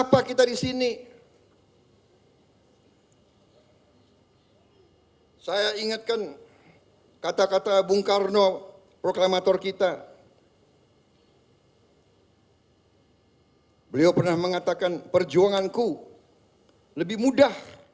hati saya yang sesungguhnya